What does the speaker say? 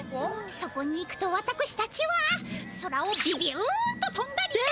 そこにいくとわたくしたちは空をビュビュンととんだりいたしますので。